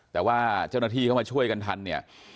แต่ว่าเจ้าหน้าที่เข้ามาช่วยกันทันเนี่ย